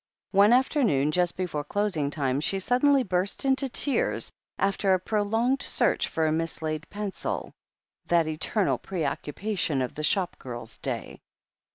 One afternoon, just before closing time, she sud denly burst into tears after a prolonged search for a mislaid pencil — ^that eternal preoccupation of the shop girl's day.